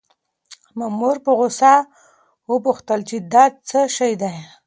مامور په غوسه وپوښتل چې دا څه شی دی؟